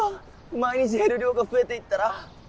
毎日減る量が増えていったら。